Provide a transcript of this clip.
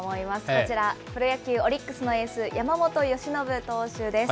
こちら、プロ野球・オリックスのエース、山本由伸投手です。